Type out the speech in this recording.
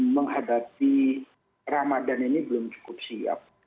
menghadapi ramadan ini belum cukup siap